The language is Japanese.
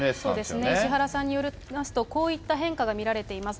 そうですね、石原さんによりますと、こういった変化が見られています。